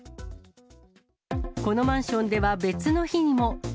このマンションでは別の日にも。